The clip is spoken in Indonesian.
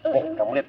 nih kamu lihat